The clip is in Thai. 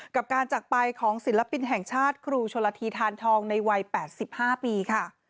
กับการจักรไปของศิลปินแห่งชาติครูชนละทีทานทองในวัย๘๕ปีค่ะ